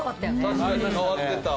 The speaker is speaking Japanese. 確かに変わってた。